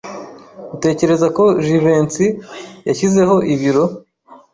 Utekereza ko Jivency yashyizeho ibiro?